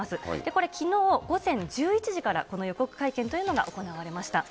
これ、きのう午前１１時からこの予告会見というのが行われました。